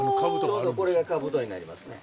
ちょうどこれが兜になりますね。